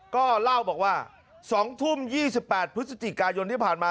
ก็เล่าบอกว่า๒ทุ่ม๒๘พฤศจิกายนที่ผ่านมา